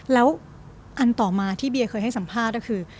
แล้วอันต่อมาที่เบียเคยให้สัมภาษณ์ก็คือ